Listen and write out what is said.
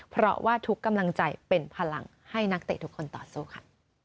เพราะว่าทุกกำลังใจเป็นพลังให้นักเตะทุกคนต่อสู้ค่ะ